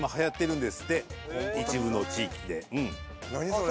それ。